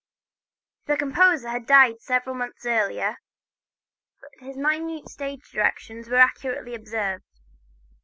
The composer had died some months earlier, but his minute stage directions were accurately observed.